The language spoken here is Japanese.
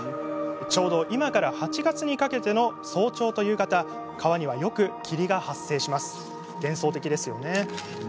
ちょうど今から８月にかけての早朝と夕方川には、よく霧が発生します。